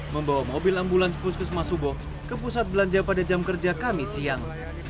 membawa mobil ambulans puskesmas subo ke pusat belanja pada jam kerja kami siang